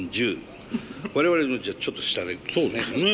我々のちょっと下ですね。